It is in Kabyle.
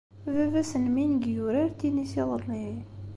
Baba-s n Ming yurar tennis iḍelli?